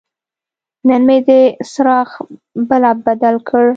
نن مې د څراغ بلب بدل کړ.